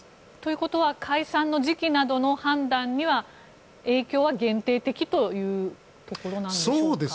ということは解散の時期などの判断には影響は限定的というところなんでしょうか。